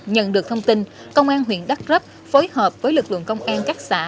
nhận được thông tin công an huyện đắk rấp phối hợp với lực lượng công an các xã